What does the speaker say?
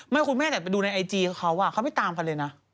คุณแม่แต่ไปดูในไอจีเขาเขาไม่ตามกันเลยนะ